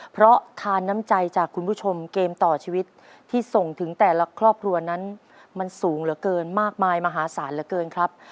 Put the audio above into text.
เพราะทานน้ำใจจากคุณผู้ชมเกมต่อชีวิตที่ส่งถึงแต่ละครอบครัวนั้นมันสูงเหลือเกินมากมายมหาศาลเหลือเกินครับ